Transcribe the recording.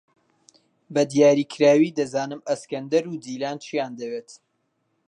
بەدیاریکراوی دەزانم ئەسکەندەر و دیلان چییان دەوێت.